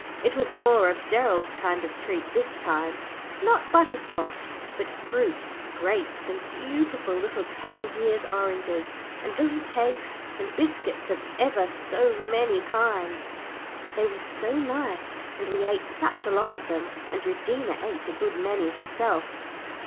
It was more of Gerald's kind of treat this time not butter scotch, but fruit grapes, and beautiful little Tangiers oranges, and little cakes and biscuits of ever so many kinds. They were so nice, and we ate such a lot of them, and Regina ate a good many herself.